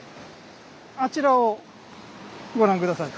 あちらをご覧下さい。